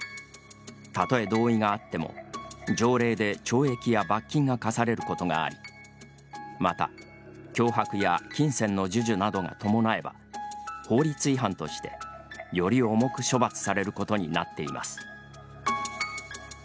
たとえ同意があっても条例で懲役や罰金が科されることがあり、また脅迫や金銭の授受などが伴えば法律違反としてより重く処罰されることになっています。